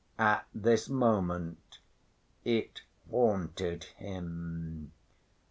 At this moment it haunted him.